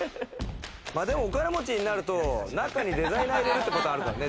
お金持ちになると中にデザイナー入れるってことあるかね。